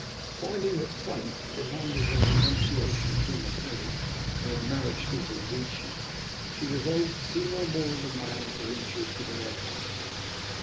Finding that Fate demanded her renunciation of Bunopelli, and her marriage to Revecce, she resolved to see no more of the man to whom she had given her heart.